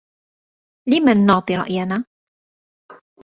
لمن نعطي رأينا